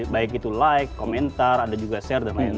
baik itu like komentar ada juga share dan lain lain